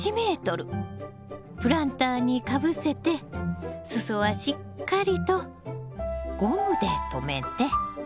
プランターにかぶせて裾はしっかりとゴムで留めて。